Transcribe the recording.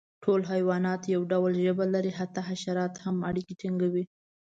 ټول حیوانات یو ډول ژبه لري، حتی حشرات هم اړیکه ټینګوي.